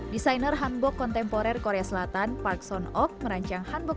desainer handbook kontemporer korea selatan parkson of merancang handbook